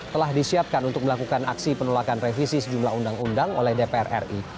telah disiapkan untuk melakukan aksi penolakan revisi sejumlah undang undang oleh dpr ri